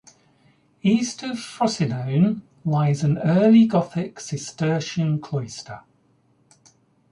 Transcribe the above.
East of Frosinone lies an early gothic Cistercian cloister.